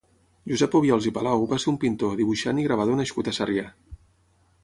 Josep Obiols i Palau va ser un pintor, dibuixant i gravador nascut a Sarrià.